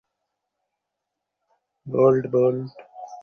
কিন্তু বিশ্বকাপ সামনে রেখে তিনি চাননি তিনজনকে ভোট দিয়ে দুজন শিষ্যকে বঞ্চিত করতে।